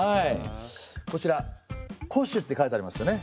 こちら「戸主」って書いてありますよね？